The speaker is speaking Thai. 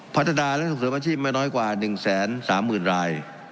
พัฒนาและส่งเสริมอาชีพไม่น้อยกว่า๑๓๐๐๐ราย